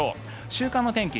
週間の天気